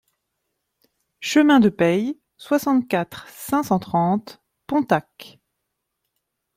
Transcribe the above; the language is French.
Chemin de Pey, soixante-quatre, cinq cent trente Pontacq